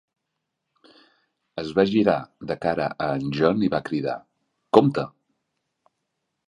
Es va girar de cara a en John i va cridar, "Compte!"